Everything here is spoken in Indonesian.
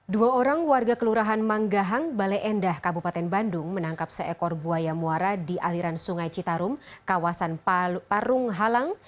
dua orang warga kelurahan manggahang balai endah kabupaten bandung menangkap seekor buaya muara di aliran sungai citarum kawasan parung halang